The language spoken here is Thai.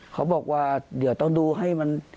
เขาบอกว่าเดี๋ยวต้องดูให้มัน